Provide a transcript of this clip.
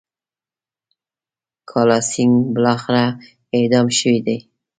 کالاسینګهـ بالاخره اعدام شوی دی.